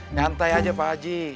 nyantai aja pak haji